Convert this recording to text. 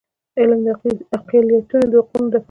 علم د اقلیتونو د حقونو دفاع کوي.